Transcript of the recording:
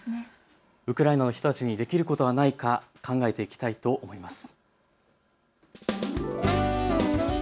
ウクライナの人たちたちにできることはないか考えていきたいと思います。